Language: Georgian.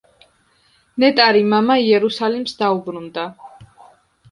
ნეტარი მამა იერუსალიმს დაუბრუნდა.